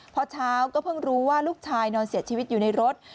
พอเช้าก็เพิ่งรู้ว่าลูกชายนอนเสียชีวิตอยู่ในรถ